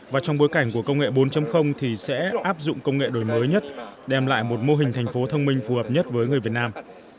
và trong bối cảnh của công nghệ bốn thì sẽ áp dụng công nghệ đổi mới nhất đem lại một mô hình thành phố thông minh phù hợp nhất với người việt nam